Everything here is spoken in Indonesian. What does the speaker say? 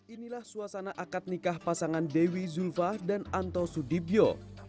inilah suasana akad nikah pasangan dewi zulfa dan anto sudibyo